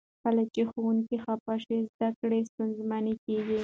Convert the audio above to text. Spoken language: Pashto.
کله چې ښوونکي خفه شوي وي، زده کړې ستونزمنې کیږي.